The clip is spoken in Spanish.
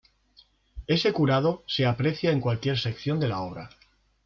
Ese curado se aprecia en cualquier sección de la obra.